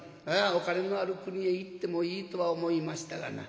お金のある国へ行ってもいいとは思いましたがな